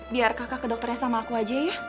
biar kakak ke dokternya sama aku aja ya